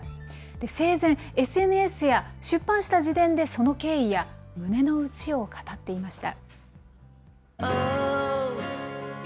生前、ＳＮＳや出版した自伝でその経緯や胸の内を語っていました。